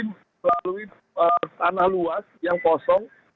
melalui tanah luas yang kosong